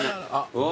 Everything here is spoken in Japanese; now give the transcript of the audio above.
うわ。